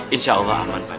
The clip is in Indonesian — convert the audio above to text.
insyaallah aman pak d